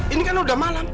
ini kan udah malam